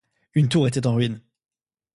Une tour était en ruine.